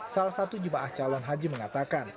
salah satu jemaah calon haji mengatakan